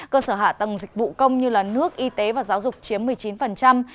cơ sở hạ tầng dịch vụ công như nước y tế và giáo dục chiếm một mươi chín